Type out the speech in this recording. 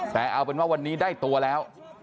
แต่เอาเป็นว่าวันนี้ได้ตัวแล้ว